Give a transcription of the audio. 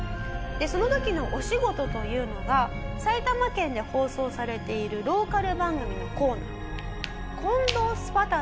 その時のお仕事というのが埼玉県で放送されているローカル番組のコーナー。